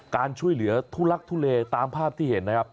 การช่วยเหลือทุลักทุเลตามภาพที่เห็นนะครับ